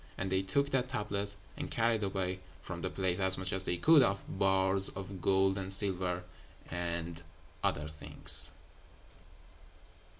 And they took that tablet, and carried away from the place as much as they could of bars of gold and silver and other things.'"